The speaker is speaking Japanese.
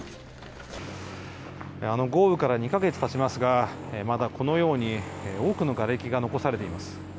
あの豪雨から２か月たちますが、まだこのように、多くのがれきが残されています。